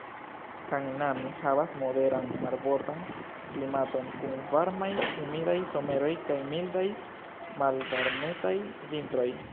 Kannami havas moderan marbordan klimaton, kun varmaj humidaj someroj kaj mildaj, malvarmetaj vintroj.